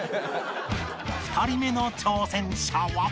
２人目の挑戦者は